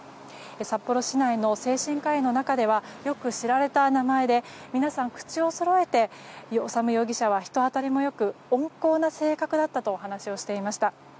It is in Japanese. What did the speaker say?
札幌市内の精神科医の中ではよく知られた名前で皆さん、口をそろえて修容疑者は人当たりも良く温厚な性格だったと話していました。